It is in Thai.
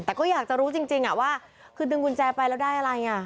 แต่ก็อยากจะรู้จริงว่าคือดึงกุญแจไปแล้วได้อะไรอ่ะ